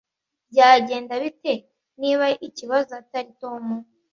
Byagenda bite niba ikibazo atari Tom